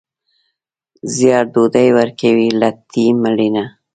زیار ډوډۍ ورکوي، لټي مړینه.